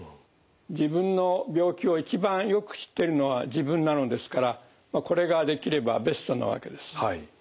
自分の病気を一番よく知ってるのは自分なのですからこれができればベストなわけです。